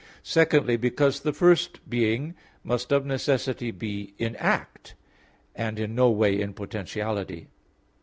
Secondly, because the first being must of necessity be in act, and in no way in potentiality.